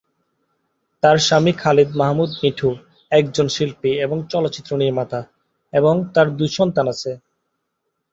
তার স্বামী খালিদ মাহমুদ মিঠু একজন শিল্পী এবং চলচ্চিত্র নির্মাতা এবং তার দুই সন্তান আছে।